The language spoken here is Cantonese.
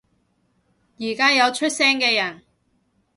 而家有出聲嘅人